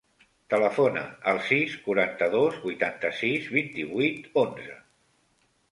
Telefona al sis, quaranta-dos, vuitanta-sis, vint-i-vuit, onze.